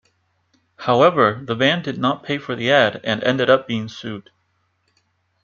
However, the band did not pay for the ad and ended up being sued.